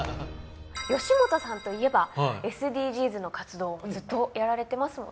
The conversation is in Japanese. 吉本さんといえばＳＤＧｓの活動をずっとやられてますもんね。